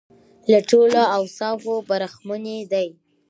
له ټولو اوصافو برخمنې دي.